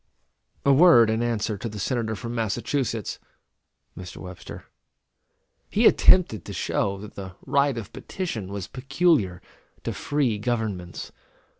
A word in answer to the Senator from Massachusetts [Mr. Webster]. He attempted to show that the right of petition was peculiar to free governments.